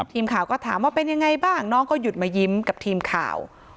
ทีมข่าวก็ถามว่าเป็นยังไงบ้างน้องก็หยุดมายิ้มกับทีมข่าว